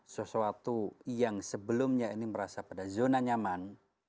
sesuatu yang sebelumnya ini merasa pada zona nyaman